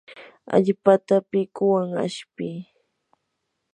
allpata pikuwan ashpii.